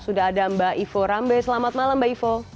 sudah ada mbak ivo rambe selamat malam mbak ivo